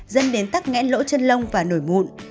dẫn đến tắc nghẽn lỗ chân lông và nổi mụn